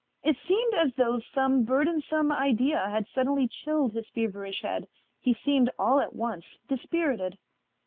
It seemed as though some burdensome idea had suddenly chilled his feverish head; he seemed all at once dispirited.